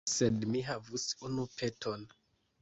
Sed mi havas unu peton.